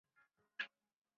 Bike কইত্তে আইলো, এনে!